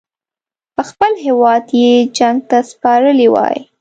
خپل هیواد یې جنګ ته سپارلی وای.